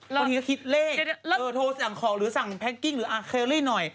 บางทีก็คิดเลขโทรสั่งของหรือสั่งแพ็กกิ้งหรือเคอรี่หน่อย